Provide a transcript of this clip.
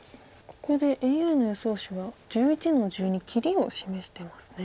ここでＡＩの予想手は１１の十二切りを示してますね。